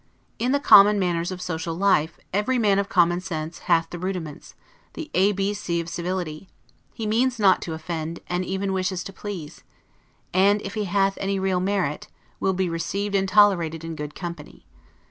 In the common manners of social life, every man of common sense hath the rudiments, the A B C of civility; he means not to offend, and even wishes to please: and, if he hath any real merit, will be received and tolerated in good company.